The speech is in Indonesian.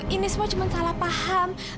ini semua cuma salah paham